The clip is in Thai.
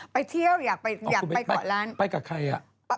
ไปเที่ยวอยากไปเกาะล้านไปกับใครอ่ะ